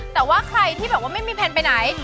แต่ว่าใครที่แบบว่าไม่มีแพลนไปไหน